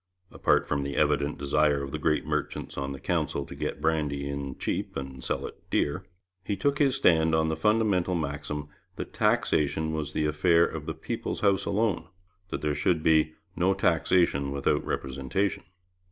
Apart from the evident desire of the great merchants on the Council to get brandy in cheap and sell it dear, he took his stand on the fundamental maxim that taxation was the affair of the people's House alone, that there should be 'no taxation without representation.'